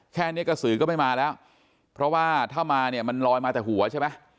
แค่นี้กระสือก็ไม่มาแล้วเพราะว่าถ้ามาเนี่ยมันลอยมาแต่หัวใช่ไหม